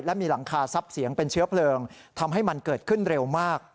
และมีหลังคาซับเสียงเป็นเชื้อเพลิงทำให้มันเกิดขึ้นเร็วมาก